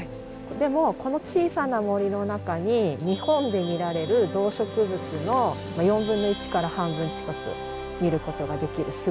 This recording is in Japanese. でもこの小さな森の中に日本で見られる動植物の４分の１から半分近く見ることができるすごい森なんですね。